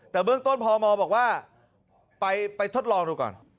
แต่เบื้องต้นพมบอกว่าไปทดลองดูก่อน